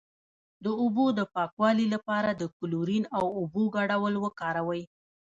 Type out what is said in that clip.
د اوبو د پاکوالي لپاره د کلورین او اوبو ګډول وکاروئ